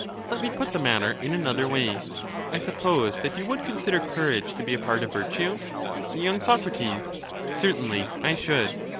Let me put the matter m another way : I suppose that antago you would consider courage to be a part of virtue? »»»s'»c y. Soc. Certainly I should.